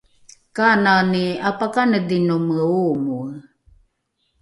kanani ’apakanedhinome oomoe?